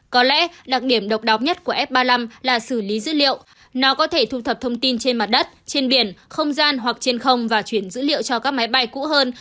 có lẽ đặc điểm độc đáo nhất của f ba mươi năm là xử lý dữ liệu nó có thể thu thập thông tin trên mặt đất trên biển không gian hoặc trên không và chuyển dữ liệu cho các máy bay cũ hơn